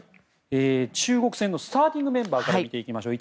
中国戦のスターティングメンバーから見ていきましょう。